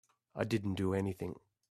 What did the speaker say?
I didn't do anything.